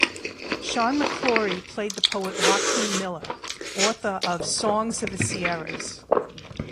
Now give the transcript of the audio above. Sean McClory played the poet Joaquin Miller, author of "Songs of the Sierras".